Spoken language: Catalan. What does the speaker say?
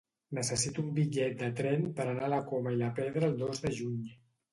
Necessito un bitllet de tren per anar a la Coma i la Pedra el dos de juny.